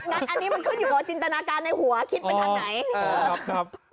อันนี้มันขึ้นอยู่กับจินตนาการในหัวคิดเป็นอันไหน